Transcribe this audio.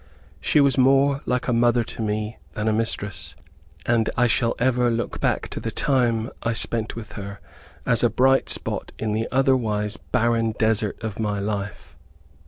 She was more like a mother to me, than a mistress, and I shall ever look back to the time I spent with her, as a bright spot in the otherwise barren desert of my life.